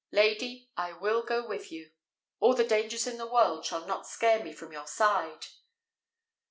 Lady, I will go with you. All the dangers in the world shall not scare me from your side."